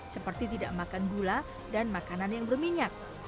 seperti tidak makan gula dan makanan yang berminyak